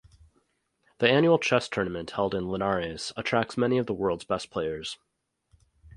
The annual chess tournament held in Linares attracts many of the world's best players.